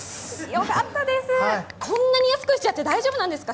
こんなに安くしちゃって大丈夫なんですか？